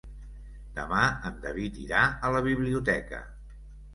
Demà en David irà a la biblioteca.